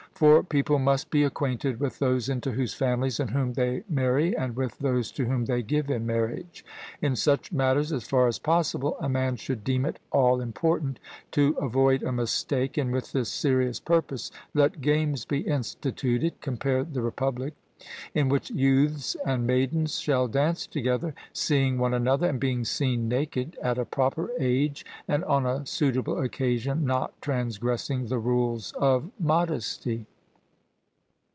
For people must be acquainted with those into whose families and whom they marry and with those to whom they give in marriage; in such matters, as far as possible, a man should deem it all important to avoid a mistake, and with this serious purpose let games be instituted (compare Republic) in which youths and maidens shall dance together, seeing one another and being seen naked, at a proper age, and on a suitable occasion, not transgressing the rules of modesty.